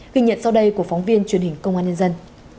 ghi nhận sau đây của phóng viên truyền hình công an nhân dân